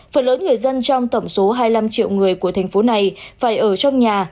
phần lớn người dân trong tổng số hai mươi năm triệu người của thành phố này phải ở trong nhà